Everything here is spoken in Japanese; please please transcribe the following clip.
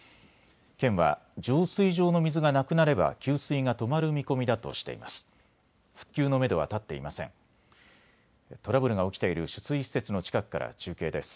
県は浄水場の水がなくなれば給水が止まる見込みだとしています。